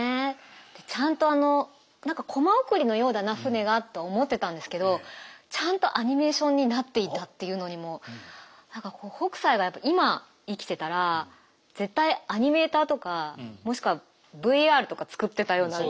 ちゃんとあの何か「コマ送りのようだな舟が」と思ってたんですけどちゃんとアニメーションになっていたっていうのにも何かこう北斎が今生きてたら絶対アニメーターとかもしくはＶＲとか作ってたような。